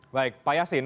baik pak yassin